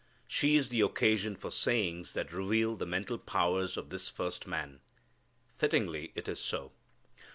She is the occasion for sayings that reveal the mental powers of this first man. Fittingly it is so.